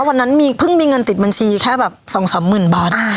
วันนั้นมีเพิ่งมีเงินติดบัญชีแค่แบบสองสามหมื่นบาทอ่า